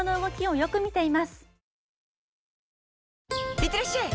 いってらっしゃい！